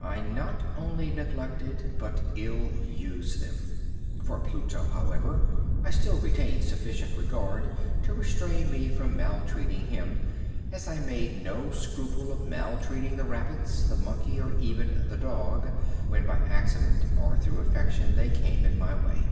I not only neglected, but ill used them. For Pluto, however, I still retained sufficient regard to restrain me from maltreating him, as I made no scruple of maltreating the rabbits, the monkey, or even the dog, when by accident, or through affection, they came in my way.